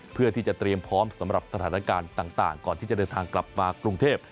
เพื่อที่จะเตรียมพร้อมสำหรับสถานการณ์ต่างก่อนที่จะเดินทางกลับมากรุงเทพ